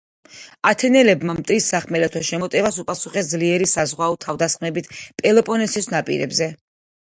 ათენელებმა მტრის სახმელეთო შემოტევას უპასუხეს ძლიერი საზღვაო თავდასხმებით პელოპონესის ნაპირებზე.